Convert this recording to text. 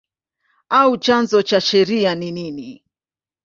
au chanzo cha sheria ni nini?